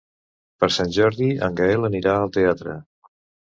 Per Sant Jordi en Gaël anirà al teatre.